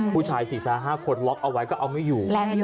ผู้ชายสี่สามห้าคนล็อคเอาไว้ก็เอาไม่อยู่